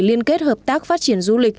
liên kết hợp tác phát triển du lịch